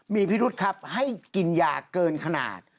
มีพิรุษครับให้กินยาเกินขนาด